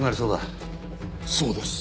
そうです。